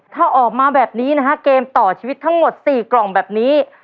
ถ้าออกมาแบบนี้นะฮะเกมต่อชีวิตทั้งหมด๔กล่องแบบนี้